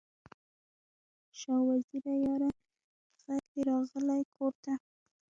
شاه وزیره یاره، ږغ دې راغلی کور ته